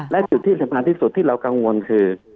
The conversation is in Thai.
และจุดที่สำคัญที่สุดที่เรากังวลคือ